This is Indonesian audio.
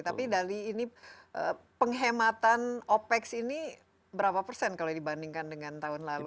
tapi dali ini penghematan opex ini berapa persen kalau dibandingkan dengan tahun lalu